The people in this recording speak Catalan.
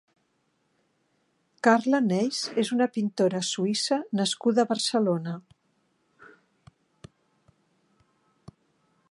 Carla Neis és una pintora suïssa nascuda a Barcelona.